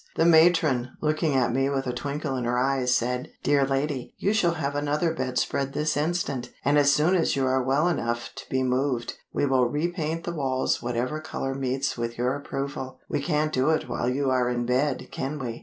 The matron, looking at me with a twinkle in her eyes, said, "Dear lady, you shall have another bedspread this instant; and as soon as you are well enough to be moved, we will re paint the walls whatever colour meets with your approval;—we can't do it while you are in bed, can we?